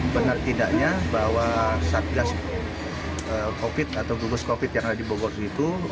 benar tidaknya bahwa satgas covid sembilan belas atau gugus covid sembilan belas yang ada di bogor itu